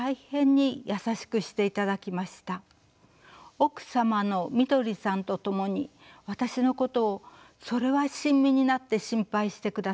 奥様のみどりさんと共に私のことをそれは親身になって心配してくださったのです。